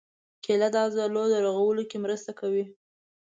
کېله د عضلو رغولو کې مرسته کوي.